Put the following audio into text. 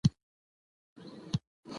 موږ باید د نورو نظرونو ته په درناوي غوږ ونیسو